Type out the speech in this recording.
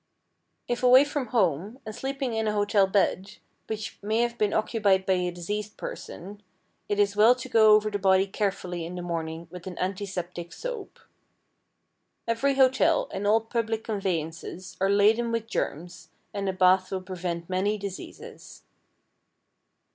If away from home, and sleeping in a hotel bed, which may have been occupied by a diseased person, it is well to go over the body carefully in the morning with an antiseptic soap. Every hotel, and all public conveyances, are laden with germs, and a bath will prevent many diseases.